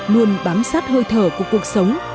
luôn bám sát hơi thở của cuộc sống